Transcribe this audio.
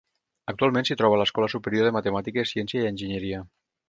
Actualment s'hi troba l'Escola Superior de Matemàtiques, Ciència i Enginyeria.